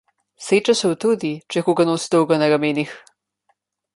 Sreča se utrudi, če koga nosi dolgo na ramenih.